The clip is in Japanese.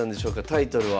タイトルは。